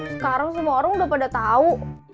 sekarang semua orang udah pada tahu